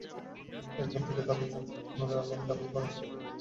এরপর থেকে তাঁদের জমি চাচা নুরে আলম দখল করার চেষ্টা চালিয়ে আসছেন।